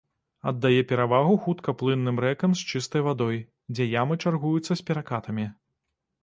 Аддае перавагу хуткаплынным рэкам з чыстай вадой, дзе ямы чаргуюцца з перакатамі.